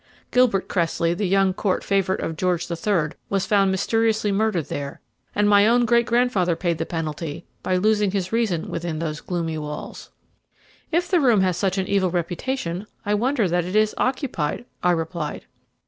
Gilbert Cressley, the young Court favourite of George the Third, was found mysteriously murdered there, and my own great grandfather paid the penalty by losing his reason within those gloomy walls." "If the room has such an evil reputation, I wonder that it is occupied," I replied.